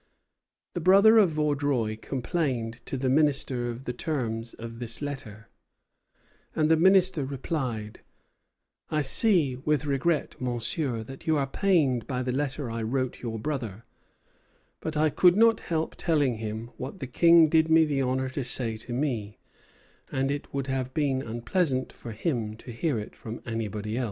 The brother of Vaudreuil complained to the Minister of the terms of this letter, and the Minister replied: "I see with regret, Monsieur, that you are pained by the letter I wrote your brother; but I could not help telling him what the King did me the honor to say to me; and it would have been unpleasant for him to hear it from anybody else."